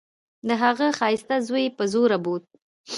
د هغه ښايسته زوى يې په زوره بوت.